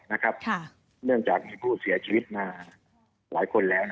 เนื่องจากมีผู้เสียชีวิตมาหลายคนแล้ว